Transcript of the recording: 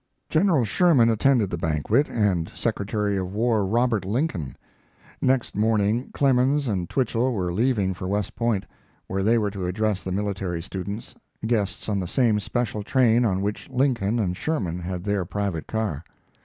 General Sherman attended the banquet, and Secretary of War, Robert Lincoln. Next morning Clemens and Twichell were leaving for West Point, where they were to address the military students, guests on the same special train on which Lincoln and Sherman had their private car.